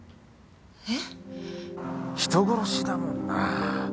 人殺しだもんなぁ。